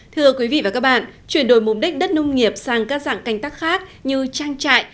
thưa quý vị và các bạn chuyển đổi mục đích đất nông nghiệp sang các dạng canh tác khác như trang trại